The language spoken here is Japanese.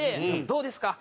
どうですか？